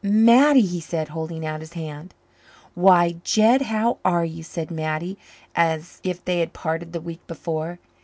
"Mattie," he said, holding out his hand. "Why, Jed, how are you?" said Mattie, as if they had parted the week before.